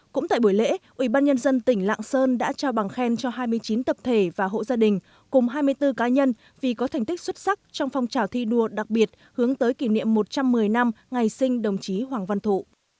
cũng tại buổi lễ ubnd tỉnh lạng sơn đã trao bằng khen cho hai mươi chín tập thể và hộ gia đình cùng hai mươi bốn cá nhân vì có thành tích xuất sắc trong phong trào thi đua đặc biệt hướng tới kỷ niệm một trăm một mươi năm ngày sinh đồng chí hoàng văn thụ